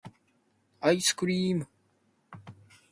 愛♡スクリ～ム!